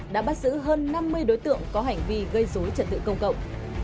đã bắt giữ hơn năm mươi đối tượng có hành vi gây dối trật tự công cộng